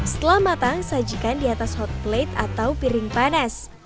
setelah matang sajikan di atas hot plate atau piring panas